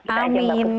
kita aja mbak puput